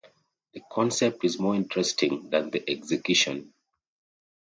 The concept is more interesting than the execution.